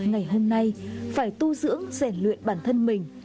ngày hôm nay phải tu dưỡng rèn luyện bản thân mình